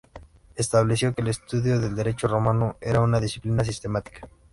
Estableció que el estudio del Derecho romano era una disciplina sistemática.